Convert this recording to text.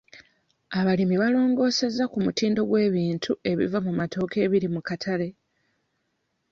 Abalimi balongoosezza ku mutindo gw'ebintu ebiva mu matooke ebiri ku katale.